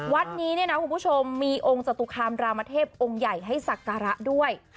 วัดนี้เนี่ยนะคุณผู้ชมมีองค์จตุคามรามเทพองค์ใหญ่ให้สักการะด้วย